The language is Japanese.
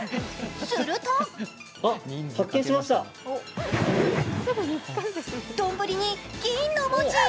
すると丼に「銀」の文字。